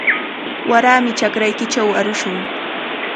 Warami chakraykichaw arushun.